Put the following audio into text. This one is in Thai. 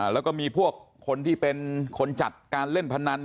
แล้วก็มีพวกคนที่เป็นคนจัดการเล่นพนัน